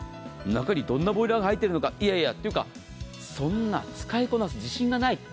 中にどんなものが入っているのか。というか、そんな使いこなす自信がない。